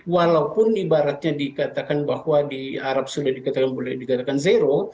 walaupun ibaratnya dikatakan bahwa di arab sudah dikatakan boleh dikatakan zero